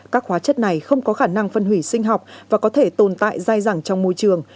các hóa chất này không có khả năng phân hủy sinh học và có thể tồn tại dài dẳng trong môi trường